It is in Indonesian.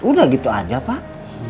udah gitu aja pak